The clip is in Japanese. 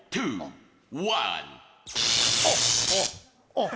あっ！